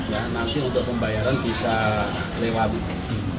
ya nanti untuk pembayaran bisa lewati